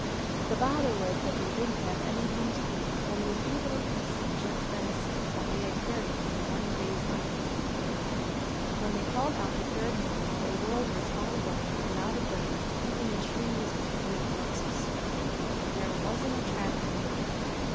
The bother was that they did n't have anything to eat; only a few little pieces of jerked venison that they had carried for the one day's hunting. "When they crawled out the third morning the world was all white, without a break ; even the trees were great lumps of snow, and there was n't a track anywhere.